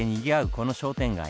この商店街。